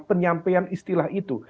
penyampaian istilah itu